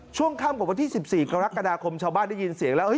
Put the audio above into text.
ช่วงค่ำของวันที่๑๔กรกฎาคมชาวบ้านได้ยินเสียงแล้ว